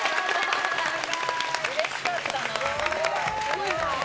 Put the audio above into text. うれしかったな。